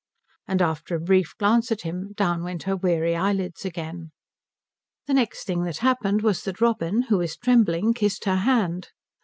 And after a brief glance at him down went her weary eyelids again. The next thing that happened was that Robin, who was trembling, kissed her hand.